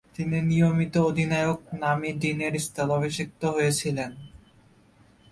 তিনি নিয়মিত অধিনায়ক নামি ডিনের স্থলাভিষিক্ত হয়েছিলেন।